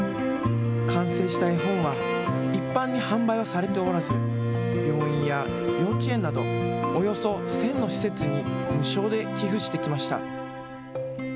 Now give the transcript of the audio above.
完成した絵本は一般に販売はされておらず病院や幼稚園などおよそ１０００の施設に無償で寄付してきました。